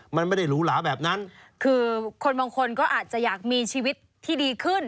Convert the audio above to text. มันไม่ได้หรูหลาแบบนั้นคือคนบางคนก็อาจจะอยากมีชีวิตที่ดีขึ้น